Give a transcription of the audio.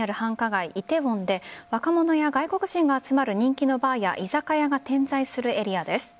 梨泰院で若者や外国人が集まる人気のバーや居酒屋が点在するエリアです。